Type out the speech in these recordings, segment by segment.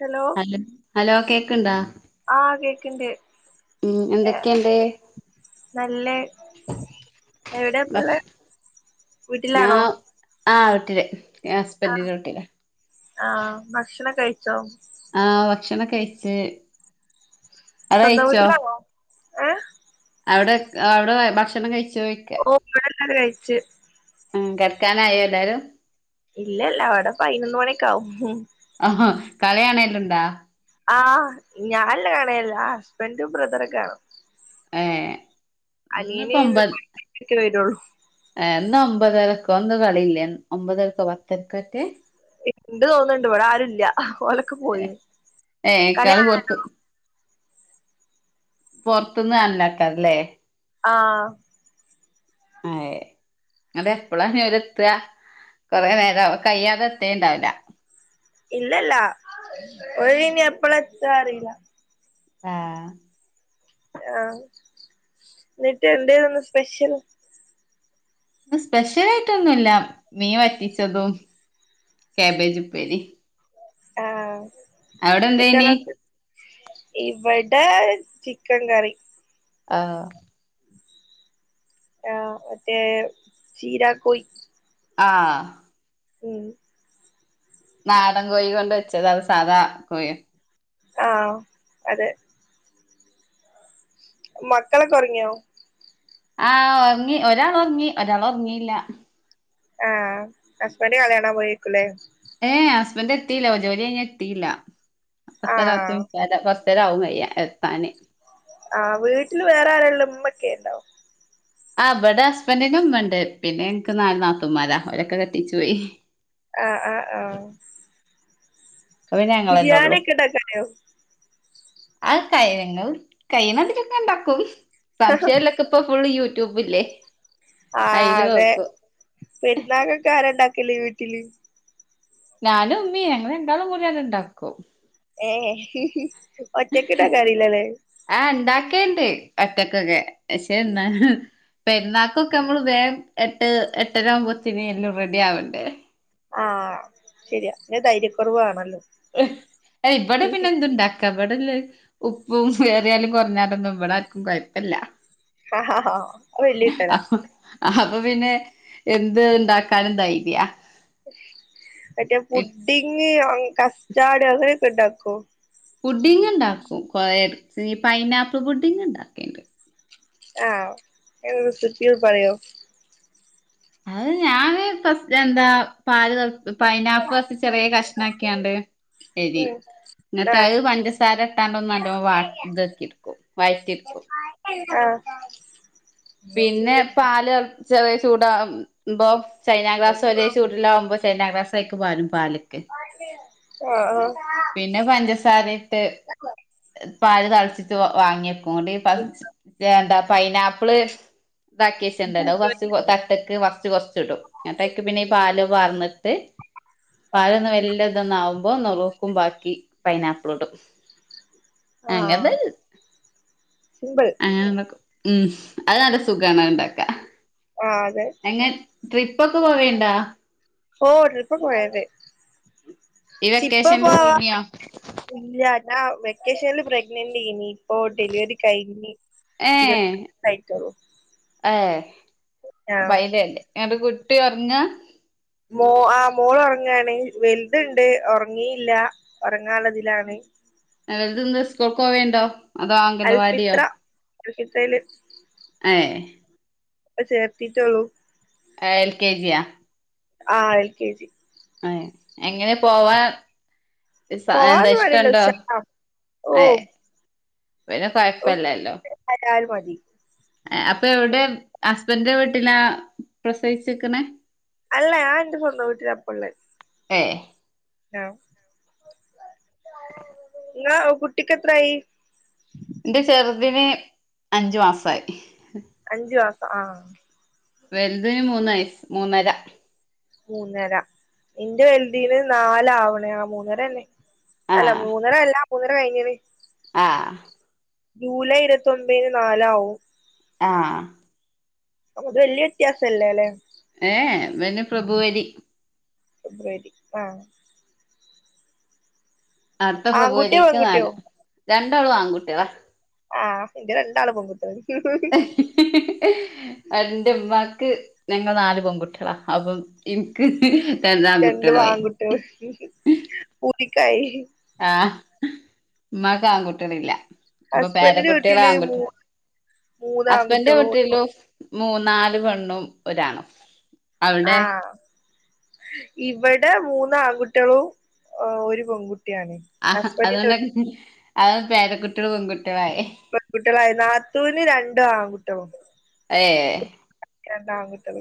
Hello hello കേക്ണ്ടാ ആഹ് കേക്ക്ണ്ട് ഉം എന്തൊക്കെയുണ്ട് നല്ല. ഭക്ഷ എവിടെപ്പള്ള വീട്ടിലാണ് ആ വീട്ട്ല്. ഞാ ഹസ്ബൻ്റ് വീട്ടില ആ ഭക്ഷണം കഴിച്ചോ ആ ഭക്ഷണം കഴിച്ച് അവിടെ സ്വന്തം കഴിച്ചോ വീട്ടിലാണോ ഏ അവിടെ അവിടെ ഭക്ഷണം കഴിച്ചോ ചോയ്ക്ക ചെ ഉ കിടക്കാനായോ എല്ലാരും ഇല്ലല്ല അവിടെ പൈനൊന്ന് മണിയൊക്ക ആാവും കളി കാണലുണ്ടോ ആ ഞാന് കാണല്ല ഹസ്ബൻഡും ബ്രദറൊക്കെ കാണും എ അനിയന് [unintelligible] വരുള്ളൂ എ ഇന്ന് ഒമ്പതരക്കോ കളിയില്ലേ ഒമ്പതരക്കോ പത്തരക്കറ്റെ ണ്ട് തോന്നുന്നുണ്ട്. ഇവിടെ ആരുല്ല ഓലൊക്കെ പോയി ഏഹ് കളി പൊറത്ത് കാണാനോ പൊറത്തുന്ന് [unintelligible] ആഹ് [unintelligible] അത് എപ്പോള നേരത്തെ കുറെ നേരാവോ കയ്യാതെ എത്തേണ്ടാവില്ല ഇല്ലല്ല ഓല് എപ്പളാ എത്താൻ അറിയില്ല ഹ ആഹ് എന്നിട്ട് എന്തന്ന് സ്പെഷ്യൽ ഇന്ന് സ്പെഷ്യലായിട്ട് ഒന്നൂല്ല മീൻ വറ്റിച്ചതും കബേജ പേര ആഹ അവിടെ എന്തനി ഇവിടെ ചിക്കൻ കറി ആഹ ആഹ മറ്റേ ചീരാ കൊയി ആഹ ഉം നാടൻ കോഴ കൊണ്ട് വെച്ചത അത് സാദാ കോഴ ആഹ അതെ മക്കളെ കൊറങ്ങിയോ ആഹ ഉറങ്ങി ഒരാൾ ഉറങ്ങി ഒരാൾ ഉറങ്ങിയില്ല ആഹ ഹസ്ബൻഡ കല്യാണം പോയിേക്കൂല്ലേ ഏ ഹസ്ബൻഡറ് എത്തിയില്ല ജോലി കഴ എത്തിയില്ല പത്ത പത്ത് ആഹ് ഇത്തരാവും കയ്യ എത്താന് വീട്ടില് വേറെ ആരുള്ളമ്മ ഒക്കെ ഉണ്ടാവോ ആ് അവവിടെ ഹസ്ബൻഡന്ുമ ഉണ്ട് പിന്നെ എനിക്ക് നാാല നാത്തുമമാരാ അവരൊക്കെ കട്ടിച്ചു പോയി ആഹ ആഹ ആഹ അന്നെ ഞങ്ങെന്നെ ഉള്ളു ഇണ്ടാക്കാനറിയോ ആ കയനങ്ങൾ കഴന അതിലൊക്കെ ഉണ്ടാക്കൂ സംശയൊക്കെ ഇപ്പൊ ഫുള് യ യട്യൂബില്ലേ ആ് അതെ പെരുന്നാാക്കൊക്കെ ആാര ഉണ്ടാക്കലേ വീട്ടില് ഞാനും ഉമ്മീ ഞങ്ങെ എണ്ടാളും കറിയാന ഇണ്ടാക്കും ഏ ഒറ്റക്കെട്ടാ കറില്ലല്ലേ ക്കണ്ട് ഒറ്റക്കൊക്കെ പക്ഷെ എന്നാ പെരുന്നാക്കൊക്കെ നമ്മള് വേഗം എട്ട് എട്ടര ആകുമ്പോത്തിന എല്ലാം റെഡി ആവണ്ടേ ആഹ ശരിയാ ധൈര്യക്കുറവ് ആണല്ലോ അ ഇവിടെ പിന്നെ എന്തുണ്ടാക്ക കബടല്ല ഉപ്പും കേറിയാലും കുറഞ്ഞറൊന്നും ഇവിടെ ആർക്കും കുഴപ്പല്ല ആ ആ ആാ അപ്പൊ പിന്നെ എന്ത് ഉണ്ടാക്കാനും ധൈര്യ അ ഫുഡഡി കസ്റ്റാഡ അങ്ങനക്കണ്ടാക്കോ ഫുഡിങ്ങ ഇണ്ടാക്കും കൊ പൈനാപ്പിൾ ഫുഡിങ് ഇണ്ടാക്കണ്ട് ആഹ് എ സറ്റിയ പറയോ അത് ഞാന് എന്താ പാല് പൈനാപ്പ് വസ ചെറിയ കഷ്ണംക്കിയാണ്ട് എരി എന്നിട്ട് ആഹ് അത് പഞ്ചസാര ഇട്ടാണ്ട ഒന്നും നല്ല വ ഇതൊക്കെ ഇക്കും വഴറ്റരിക്കും ആഹ പിന്നെ പാല് ചെറിയ ചൂട ഇ്പ ചൈനാ ക്ലാസ് ഒകശൂട്ടിലാവകുമ്പോ ചൈന ക്ലാസ്സ ആക്കെ പാലും പാലക്ക് ആഹ ആ പിന്നെ പഞ്ചസാരയിട്ട് പാൽ തിളച്ചിട്ട് വാങ്ങിയ ണ്ട് എന്താ പൈനാപ്പിള് ഇതാക്കിയശണ്ട തട്ടക്ക് വസ് കുറച്ച ഇടും അങ്ങനക്ക് പിന്നെ ഈ പാ വാർന്ന് പാലൊന്നും വല്ല ഇതൊന്ന ആകുമ്പോ നോറ ാക്കി പൈനാപ്പിളോടും ആഹ് അങ്ങത് സിമ്പിൾ ഉം അത് നല്ല സുഖണ ഉണ്ടാക്ക ആഹ് അതെ എങ്ങ ട്രിപ്പൊക്കെ പോവേണ്ടാ ഓ ട്രിപ്പ പോയത് ഈ വെക്കേഷനിൽ പോയിനിയോ ആ വെക്കേഷൻല് പ്രെഗ്നന്റ് അയ്നിം ഓ ഡെലിവറി കഴിഞ്ഞ് ഇരു [unintelligible] ആയിട്ടൊള്ളൂ ഏയ് അപ്പം ആഹ് അയ്ല് അല്ലേ എന്നിട്ട് കുട്ടി ഒറങ്ങാ മോ ആ മോൾ ഉറങ്ങാണ് വലുതുണ്ട് ഉറങ്ങിയില്ല ഉറങ്ങാള്ളതിലാണ് [unintelligible] സ്കൂൾക്ക്‌ പോവണ്ടോ അതോ അങ്കണവാടിയോ അൽഫിത്ര [unintelligible] ഏ ഇപ്പ ചേർത്തീട്ടുള്ളു ആ എൽ കെ ജിയാ ആ എൽ കെ ജി അ എങ്ങനെ പോവാൻ എന്താ പോവാന്ന് പറയില്ല ഇഷ്ടണ്ടോ ഉഷാറാ ഓ പിന്നെ കൊഴപ്പല്ലല്ലോ ഉ അപ്പൊ എവിടെ ഹസ്ബൻന്റെ വീട്ടിലാ പ്രസവിച്ചിക്കണെ അല്ല ഞാൻ എന്റെ സ്വന്തം വീട്ടില ഇപ്പള്ളെ ഏ ആ നിങ്ങളെ കുട്ടിക്കെത്രായി എന്റെ ചെറുതിന് അഞ്ചു മാസായി അഞ്ചു മാസം ആ വലുതിന് മൂന്ന് വയസ്സ് മൂന്നര മൂന്നര എന്റെ വലുതീന് നാലാവണേ ആ മൂന്നര തന്നെ അല്ല മൂന്നര അല്ല മൂന്നര കഴിഞ്ഞിണ് ആ ജൂലൈ ഇരുപത്തൊമ്പിന് നാലാവും ആ അപ്പൊ അത് വലിയ വ്യത്യാസം ഇല്ല ല്ലെ ഏഏ പിന്നെ ഫെബ്രുവരി ഫെബ്രുവരി ആ അടുത്ത ആൺകുട്ടിയോ ഫെബ്രുവരിക്ക് പെൺകുട്ടിയോ നാല് രണ്ടാളും ആൺകുട്ടിയാളാ ആ എന്റെ രണ്ടാള് പെൺകുട്ടികളാ എന്റെമ്മാക്ക് ഞങ്ങൾ നാല് പെൺകുട്ടികളാ അപ്പം ഇൻക്ക് രണ്ട് വാൺക്കുട്ടിയാള് പൂതിക്കായി ആഹ് ഉമ്മാക്ക് ആൺകുട്ടികളില്ല അപ്പൊ പേര ഹസ്ബൻഡിന്റെ വീട്ടില് മൂ കുട്ടികളാൻകുട്ടിക്കള് മൂന്ന് ഹസ്ബൻഡന്റെ ആൺകുട്ടികളും ഒരു കുട്ടിയല്ലോ മൂന്നാല് പെണ്ണും ഒരാണും ആ അവിടെ ഇവടെ മൂന്ന് ആൺകുട്ടികളും ഒരു പെൺകു ആ അതൊണ്ടെ അത പേരക്കുട്ടിയുടെ പെൺകുട്ടി പെൺകുട്ടികളായി നാത്തൂന് രണ്ടും ആൺകുട്ടളും ഏഹ് ണ്ടാങ്കുട്ടിയാള്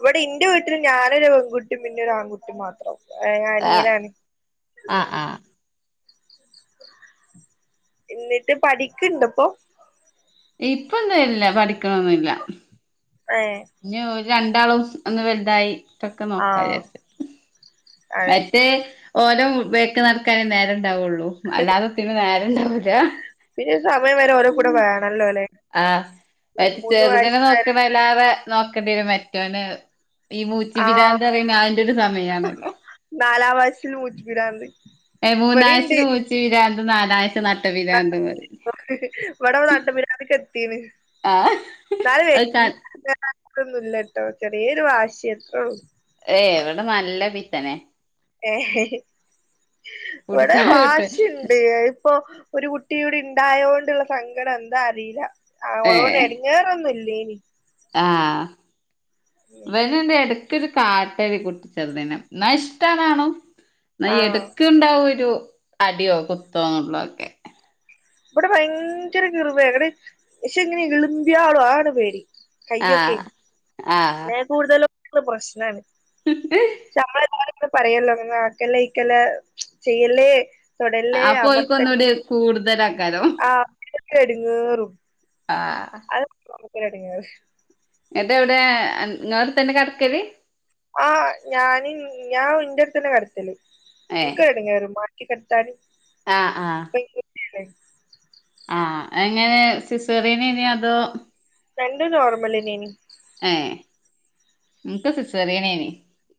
ഇവിടെ ഇന്റെ വീട്ടില് ഞാനൊരു പെൺകുട്ടി പിന്നെ ഒരു ആൺകുട്ടി മാത്രം ഏ ആഹ് അനിയനാണ് ആഹ് ആഹ് എന്നിട്ട് പഠിക്ക്‌ണ്ട്പ്പൊ ഇപ്പൊന്നും ഇല്ല പഠിക്കണൊന്നില്ല ഏഹ് ഇനി ഓര് രണ്ടാളും ഒന്ന് വലുതായി ട്ടൊക്കെ നോക്കാ ആഹ് വെച്ച് അതെ മറ്റേ ഓലെ ബാക്കില് നടക്കാനേ നേരെണ്ടാവുള്ളൂ അല്ലാതെത്തിനും നേരണ്ടാവൂല പിന്നെ ഒരു സമയം വരെ ഓരോകു‌ടെ വേണല്ലോല്ലേ മറ്റ് ചെറുതിനെ നോക്കണെലേറെ നോക്കണ്ടിരും മറ്റോന ഈ മൂച്ചി ആഹ് പിരാന്ത് പറയുന്ന അതിന്റെ ഒരു സമയണല്ലോ നാലാം വയസ്സില്ല് മൂച്ചി പിരാന്ത് ഏ മൂന്നഴ്ച്ചയിൽ ഇവിടിണ്ട് മൂച്ചി വരാന്തും നാലാഴ്ച നട്ട പിരാന്തും പറയും ഇവിടെ നട്ട പിരാന്തക്ക് എത്തീണ് ആഹ് നല് അത് ക കുഴപ്പോന്നൂല്ലാട്ടോ ചെറിയൊരു വാശി അത്രയുള്ളു ഏ എവിടെ നല്ല പിത്തനെ ഏ ഇവിടെ കുടിച്ചാ കിട്ടും വാശിയുണ്ട് ഇപ്പൊ ഒരു കുട്ടിയോട് ഉണ്ടായതോണ്ടുള്ള സങ്കട എന്താ അറിയില്ല ഏ അവളോണ്ട് എടിങ്ങേറൊന്നും ഇല്ലേനി ആഹ് ഇവനിണ്ട് എട ക്ക്‌ ഒരു കാറ്റടിപ്പുറ്റത് നഷ്ടവണോ നായി ആഹ് എടുക്കുണ്ടാവുഒരു അടിയോ കുത്തോ നുള്ളോക്കെ ഇവിടെ ഭയങ്കര കിർവേ പക്ഷെ ഇങ്ങനെ ഇളിമ്പിയ ആടും അതാണ് പേടി കൈയോക്കെ ആഹ് ആഹ് സ്നഹകൂടതലോ ഇവള് പ്രശ്നാണ് ചമ്മള് നിങ്ങള് പറയല്ലോ അങ്ങനക്കല്ലേ ഇക്കല ചെയ്യല്ലേ തൊടല്ലേ ആ പോയിക്കോ അമർത്തല്ലേ ഒന്നൂടി കൂടുതല ആക്കാരം എടെങ്ങേരും ആ ഇൻക്കൊരു എടങ്ങേറ് ഇതു എവിടെ ഇങ്ങടുതന്നെ കടക്കല്ല് ആ ഞാന് ഞാൻ ഇന്റെ അടുതന്നെ കടക്കല്ല് നിക്ക് എടങ്ങേറ് മാറ്റികി ആ ആ [unintelligible] ആ എങ്ങനെ സെസേറിയനി നോ അതോ രണ്ടും നോർമലിന്നെനി ഏ ഇൻക്ക് സിസറിയന്നെനി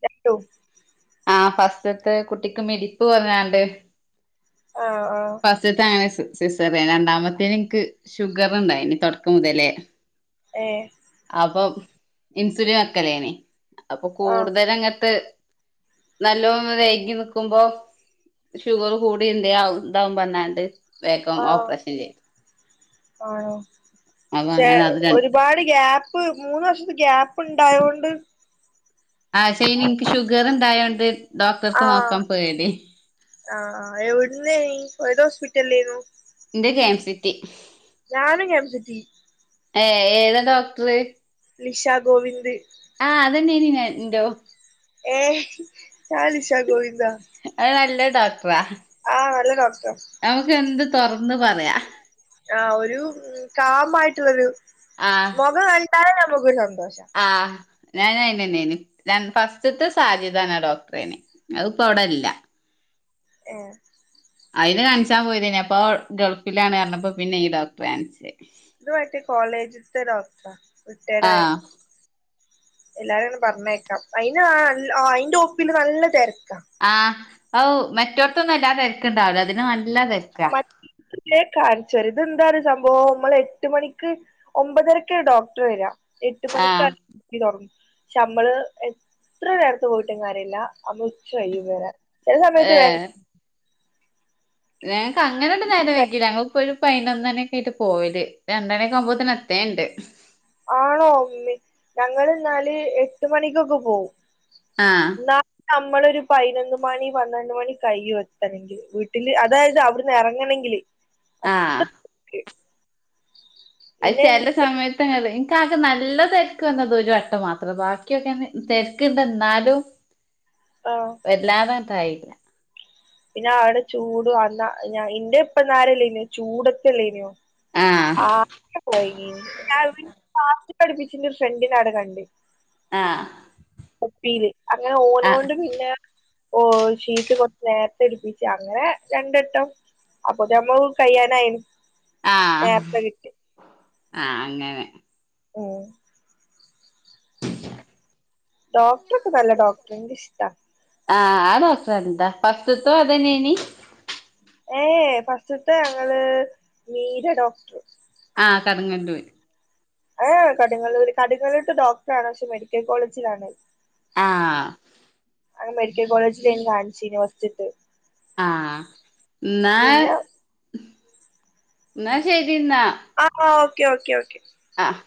രണ്ടും ആ ഫസ്റ്റത്തെ കുട്ടിക്ക് മിടിപ്പ് കുറഞ്ഞാണ്ട് ആഹ് ആഹ് ഫസ്റ്റ് തെ സിസറീയൻ രണ്ടാമത്തേന് എൻക്ക് ഷുഗർറുണ്ടായിന് തുടക്കമുതലേ ഏഹ് അപ്പോം ഇൻസുലിൻ വക്കലേനെ അപ്പൊ ആഹ് കൂടുതല് അങ്ങോട്ട് നല്ലോന്ന് വൈകി നിക്കുമ്പോ ഷുഗർ കൂടിന്തെയാവ് ഇന്താവുബഞ്ഞ എന്ത് വേഗം ആഹ് ഓപ്പറേഷൻ ചെയ്യും ആണോ പക്ഷെ അങ്ങനെ അത് രണ്ട് ഒരുപാട് ഗ്യാപ്പ് ഇപ്പ് മൂന്ന് വർഷത്ത് ഗ്യാപ്പ് ഇണ്ടായോണ്ട് ആ ശൈനിക്ക് ഷുഗർണ്ടായോണ്ട് ആ ആ എവിടുനീയ് ഇത് ഹോസ്പിറ്റലേന്നു ഇന്റെ കെ എം സിറ്റി ഞാനും കെ എം സിറ്റി ഏ ഏതാ ഡോക്ടർ ലിഷ ഗോവിന്ദ് ആ അതെന്നോന് എന്റെതും ഏഹ ച ലിശാ ഗോവിന്ദ ഓവ നമുക്ക് എന്ത് തുറന്ന് പറയാ ആ ഒരു കാമായിട്ടുള്ളൊരു ആഹ് മുഖം കണ്ടാലെ നമുക്ക് ആഹ് ഞൻയിനന്നെയി ഞാൻ ഫസ്റ്റത്തെ സജിത ഡോക്ടറെനെ അതിപ്പോ അവിടെല്ല ഏ അതിന് കാണിച്ചാൻ പോയതേനി അപ്പോൾ ഗൾഫിലാണ് പറഞ്ഞപ്പോൾ പിന്നെ ഡോക്ടറേ കാണിച്ചത് [unintelligible] കോളേജത്തെ ഡോക്ടർ റിട്ടേഡ് ആയ ആഹ് എല്ലാരും പറഞ്ഞേക്കാം അയിന് ആ അയിന്റെ ഒപ്പില് നല്ല തിര ആഹ് ഓ മറ്റോടത്തൊന്നും തീർക്കണ്ടാവുല്ല മറ്റ [unintelligible] ഇത് എന്താ സംഭവം നമ്മള എട്ട് മണിക്ക് ഒമ്പതരക്ക ഡോക്ടർ വരാ എട്ട് മണിക്ക് ആഹ് തുങ്ങ പക്ഷെ നമ്മള് എത്ര നേരത്ത് പോയിട്ട് കാര്ല്ല നമ്മൾ ഉച്ച കയും വരാൻ ചില സമയത്ത് വേ ഏഹ് ഞങ്ങക്ക് അങ്ങനെ നേരം വെക്ക ഞങ്ങപ്പോ ഒരു പതിനൊന്നണി ഒക്കെ ആയിട്ട പോവൽ രണ്ടണയക്കെ ആകുമ്പോത്തിന്ന എത്ത ഉണ്ട് ആണോ ഞങ്ങിന്നാല് എട്ട് മണിക്കൊക്കെ പോവും ആഹ് എന്ന നമ്മളൊരു ഇപ്പ പതിനൊന്ന് മണി പന്ത്രണ്ട് മണി കൈ വെത്തണമെങ്കില് വീട്ടില് അതായത് അവിടുന്ന് ഇറങ്ങണെങ്കില് ആഹ് അത് പിന്നെ ചില ഇന്റെ സമയത്ത് നിങ്ങൾ ക്ക് നല്ല തിരക്ക് വന്നത് ഒരു വട്ട മാത്രം ബാക്കിയൊക്കെ തിരക്ക് ഇണ്ട എന്നാലും ആ വല്ലാതേയിട്ടില്ല പിന്നെ അവിടെ ചൂട് അ ഞ എന്റെ ഇപ്പന്നരല്ലേനോ ചൂടൊത്തല്ലേനോ ആഹ് ആ [unintelligible] കാസ്റ്റ് പഠിപ്പിച്ചിന്റെ ഒരു ഫ്രണ്ടിനടകണ്ട് ആഹ് ഉപ്പിയില് അങ്ങനെ ആഹ് ഓനൊണ്ട് പിന്നെ ഓ ഷീറ്റ് കൊറച്ച് നേരത്തെ എടിപ്പിച്ചു അങ്ങനെ രണ്ടാട്ടം അപ്പൊമ്മൾ കയ്യാനായി നേത്തെ കിട്ടി ആ അങ്ങനെ മ് ഡോക്ടറൊക്കെ നല്ല ഡോക്ടർ എനിക്കിഷ്ടാ ആ ആ ഡോക്ടർ [unintelligible] ഫസ്റ്റ് ത്തതും അത് എന്നെന്നിയോ ഏ ഫസ്റ്റത്തെ ഞങ്ങള് മീര ഡോക്ടർ ആ കടുങ്ങല്ലൂര് കടുങ്ങല്ലൂര് കടുങ്ങല്ലൂട്ട് ഡോക്ടണ് പക്ഷെ മെഡിക്കൽ കോളേജിലാണ് ആഹ് മെഡിക്കൽ കോളേജിലെനി കാണിച്ചോ ഫസ്റ്റ്ത്തെ ആഹ് ന്നാ പിന്നെ ന്നാ ശെരിന്ന ആ ആ ഓക്കേ ഓക്കേ ഓക്കേ ആഹ്